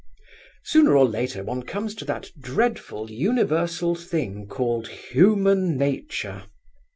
Sooner or later one comes to that dreadful universal thing called human nature.